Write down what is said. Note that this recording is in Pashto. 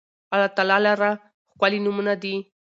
الله تعالی لره ښکلي نومونه دي